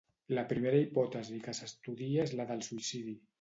La primera hipòtesi que s’estudia és la del suïcidi.